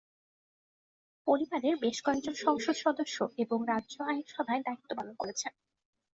পরিবারের বেশ কয়েকজন সদস্য সংসদ সদস্য এবং রাজ্য আইনসভায় দায়িত্ব পালন করেছেন।